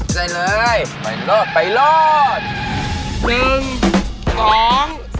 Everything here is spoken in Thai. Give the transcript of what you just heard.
ได้เลยไปโลศ